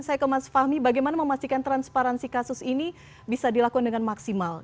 saya ke mas fahmi bagaimana memastikan transparansi kasus ini bisa dilakukan dengan maksimal